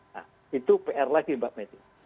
nah itu pr lagi mbak medi